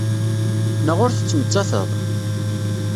Naɣ ur tettmettateḍ?